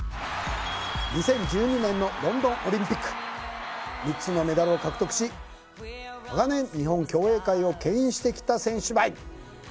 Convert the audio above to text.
２０１２年のロンドンオリンピック３つのメダルを獲得し長年日本競泳界を牽引してきた選手ばい